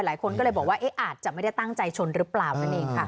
หลายคนก็เลยบอกว่าอาจจะไม่ได้ตั้งใจชนหรือเปล่านั่นเองค่ะ